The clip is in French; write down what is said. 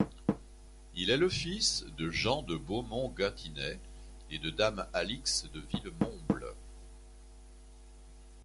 Il est le fils de Jean de Beaumont-Gâtinais et de dame Alix de Villemomble.